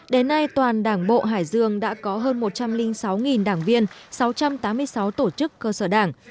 đến nay toàn đảng bộ hải dương đã có hơn một trăm linh sáu đảng viên sáu trăm tám mươi sáu tổ chức cơ sở đảng